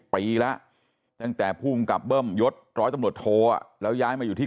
ปีแล้วตั้งแต่ภูมิกับเบิ้มยศร้อยตำรวจโทแล้วย้ายมาอยู่ที่